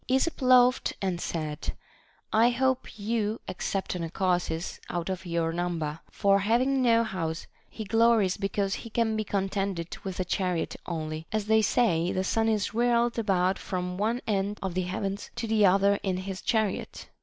Esop laughed and said : I hope you except Anacharsis out of your number ; for having no house, he glories be cause he can be contented with a chariot only, as they say the sun is whirled about from one end of the heavens to the other in his chariot.